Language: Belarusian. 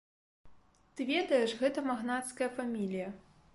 Ты ведаеш, гэта магнацкая фамілія.